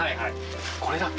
これだっけ？